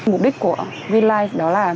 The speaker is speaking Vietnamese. mục đích của green life đó là